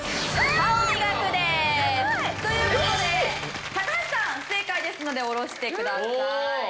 やばい！という事で高橋さん不正解ですので下ろしてください。